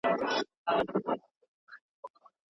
انسانانو تل د حقایقو د موندلو هڅه کړې ده.